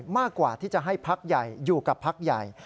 มากกว่าที่จะให้พักใหญ่อยู่กับพักใหญ่